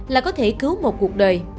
là có thể cứu một cuộc đời